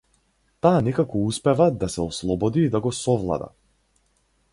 Таа некако успева да се ослободи и да го совлада.